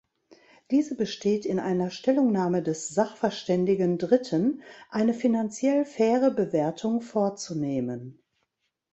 Diese besteht in einer Stellungnahme des Sachverständigen dritten eine finanziell faire Bewertung vorzunehmen.